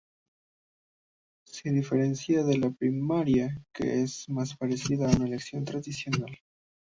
Se diferencia de la "primaria" que es más parecida a una elección tradicional.